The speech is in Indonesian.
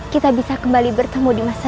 kita bisa kembali bertemu di masa depan